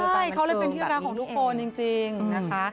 ใช่เขาเลยเป็นที่รักของทุกคนจริงนะคะ